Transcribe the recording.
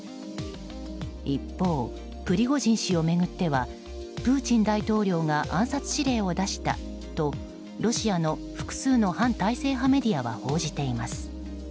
一方、プリゴジン氏を巡ってはプーチン大統領が暗殺指令を出したとロシアの複数の反体制派メディアは報じています。